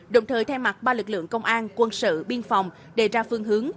đồng thời thay mặt ba lực lượng công an quân sự biên phòng đề ra phương hướng